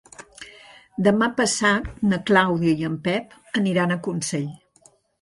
Demà passat na Clàudia i en Pep aniran a Consell.